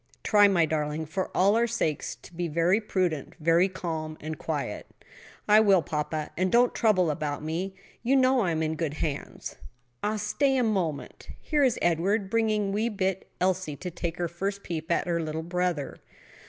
Try, my darling, for all our sakes, to be very prudent, very calm and quiet." "I will, papa; and don't trouble about me. You know I am in good hands. Ah, stay a moment! here is Edward bringing wee bit Elsie to take her first peep at her little brother."